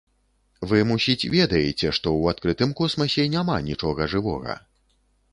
Вы, мусіць, ведаеце, што ў адкрытым космасе няма нічога жывога.